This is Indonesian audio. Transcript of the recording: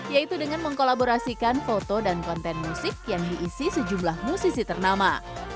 yaitu dengan mengkolaborasikan foto dan konten musik yang diisi sejumlah musisi ternama